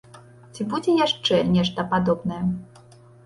Ці будзе яшчэ нешта падобнае?